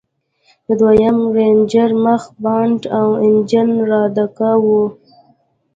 د دويم رېنجر مخ بانټ او انجن لادرکه و.